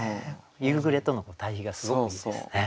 夕暮れとの対比がすごくいいですね。